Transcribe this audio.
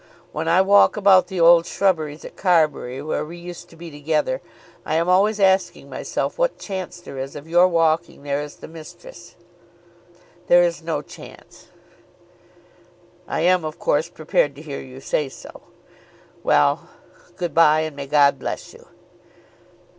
"When I walk about the old shrubberies at Carbury where we used to be together, I am always asking myself what chance there is of your walking there as the mistress." "There is no chance." "I am, of course, prepared to hear you say so. Well; good bye, and may God bless you."